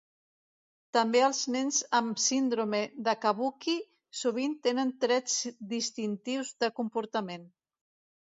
També els nens amb síndrome de Kabuki sovint tenen trets distintius de comportament.